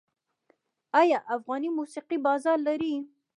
آیا افغاني موسیقي بازار لري؟